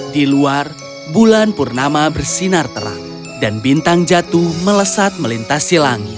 di luar bulan purnama bersinar terang dan bintang jatuh melesat melintasi langit